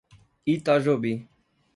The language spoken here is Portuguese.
Itajobi